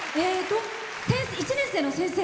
１年生の先生。